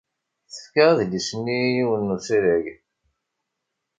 Tefka adlis-nni i yiwen n usalay.